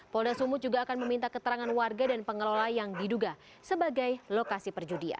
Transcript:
polda sumut juga akan meminta keterangan warga dan pengelola yang diduga sebagai lokasi perjudian